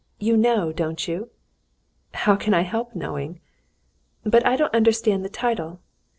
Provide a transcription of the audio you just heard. You know, don't you?" "How can I help knowing?" "But I don't understand the title.